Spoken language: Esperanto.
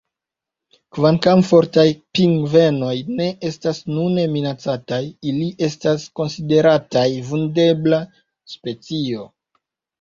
Kvankam Fortaj pingvenoj ne estas nune minacataj, ili estas konsiderataj vundebla specio.